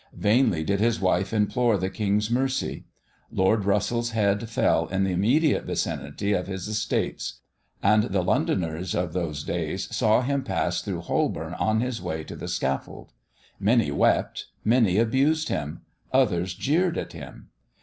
Vainly did his wife implore the king's mercy. Lord Russell's head fell in the immediate vicinity of his estates; and the Londoners of those days saw him pass through Holborn on his way to the scaffold. Many wept many abused him; others jeered at him.